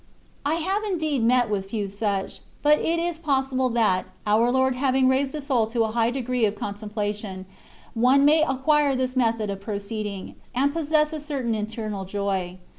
I have indeed met with few such ; but it is possible that, our Lord having raised a soul to a high degree of contemplation, one may acquire this method of proceeding, and possess a certain internal joy.